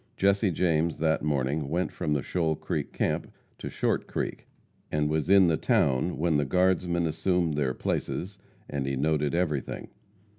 Jesse James that morning went from the Shoal Creek camp to Short Creek, and was in the town when the guardsmen assumed their places, and he noted everything.